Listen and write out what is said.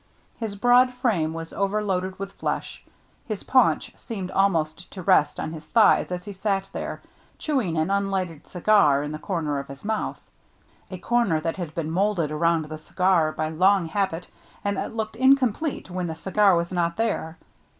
His broad frame was overloaded with flesh. His paunch seemed almost to rest on his thighs as he sat there, chewing an unlighted cigar in the corner 50 THE MERRT JNNE of his mouth, — a corner that had been moulded around the cigar by long habit and that looked incomplete when the cigar was not there.